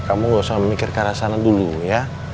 kamu gak usah mikir ke arah sana dulu ya